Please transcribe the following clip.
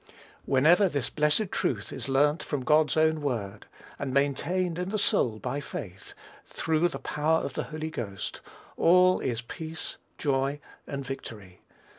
Whenever this blessed truth is learnt from God's own word, and maintained in the soul by faith, through the power of the Holy Ghost, all is peace, joy, and victory.